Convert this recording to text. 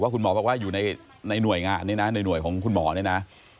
คุณหมอบอกว่าอยู่ในหน่วยงานไม่เคยเปิดเผยอยู่ในหน่วยงาน